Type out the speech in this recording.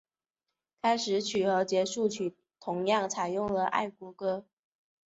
开始曲和结束曲同样采用了爱国歌。